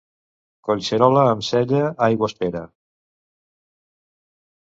Collserola amb cella, aigua espera.